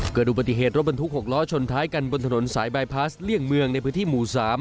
เกิดอุบัติเหตุรถบรรทุก๖ล้อชนท้ายกันบนถนนสายบายพลาสเลี่ยงเมืองในพื้นที่หมู่๓